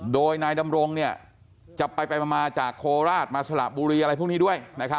โดยนายดำรงค์เนี่ยจะไปไปมามาจากโคราชมาสระบุรีอะไรพวกนี้ด้วยนะครับ